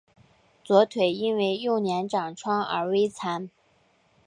左腿因为幼年长疮而微残。